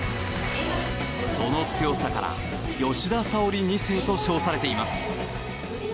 その強さから吉田沙保里２世と称されています。